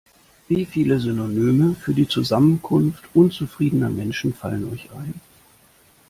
Wie viele Synonyme für die Zusammenkunft unzufriedener Menschen fallen euch ein?